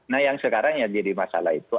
nah yang sekarang yang jadi masalah itu